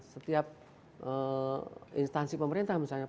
setiap instansi pemerintah misalnya